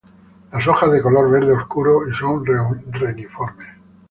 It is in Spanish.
Las hojas de color verde oscuro y son reniformes.